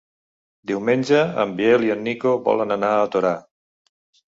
Diumenge en Biel i en Nico volen anar a Torà.